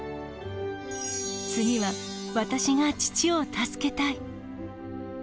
次は私が父を助けたい。